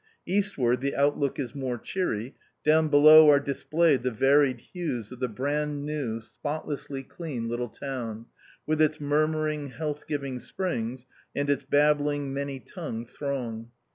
Eastward the outlook is more cheery: down below are displayed the varied hues of the brand new, spotlessly clean, little town, with its murmuring, health giving springs and its babbling, many tongued throng.